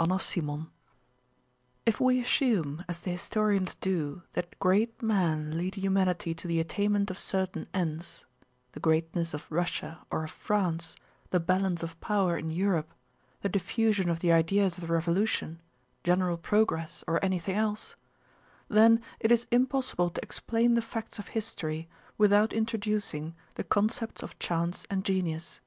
CHAPTER II If we assume as the historians do that great men lead humanity to the attainment of certain ends—the greatness of Russia or of France, the balance of power in Europe, the diffusion of the ideas of the Revolution, general progress, or anything else—then it is impossible to explain the facts of history without introducing the conceptions of chance and genius.